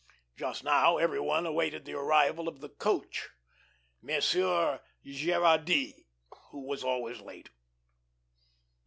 Just now everyone awaited the arrival of the "coach," Monsieur Gerardy, who was always late.